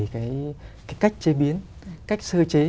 cái cách chế biến cách sơ chế